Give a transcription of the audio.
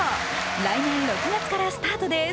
来年６月からスタートです。